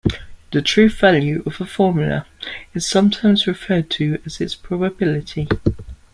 The truth value of a formula is sometimes referred to as its probability.